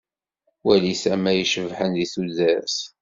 Wali tama icebḥen di tudert.